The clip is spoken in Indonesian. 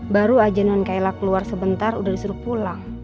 baru aja non kayla keluar sebentar udah disuruh pulang